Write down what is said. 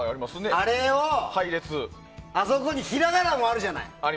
あれをあそこに平仮名もあるじゃない。